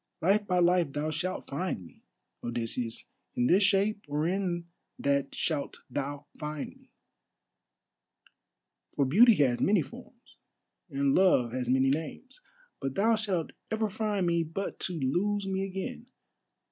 "Life by life thou shalt find me, Odysseus, in this shape or in that shalt thou find me—for beauty has many forms, and love has many names—but thou shalt ever find me but to lose me again.